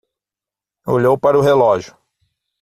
Olhou para o relógio